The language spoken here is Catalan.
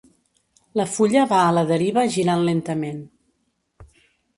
La fulla va a la deriva girant lentament.